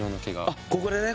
あっここでね。